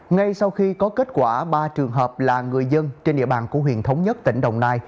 ngay sau khi có kết quả ba trường hợp là người dân trên địa bàn của huyện thống nhất tỉnh đồng nai